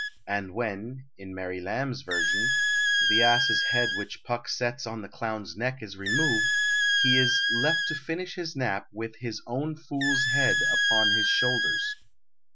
And when (in Mary Lamb's version) the ass's head which Puck sets on the clown's neck is removed, he is "left to finish his nap with his own fool's head upon his shoulders."